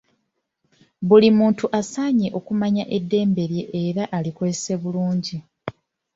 Buli muntu asaanye amanye eddembe lye era alikozese bulungi